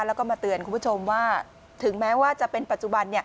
แล้วก็มาเตือนคุณผู้ชมว่าถึงแม้ว่าจะเป็นปัจจุบัน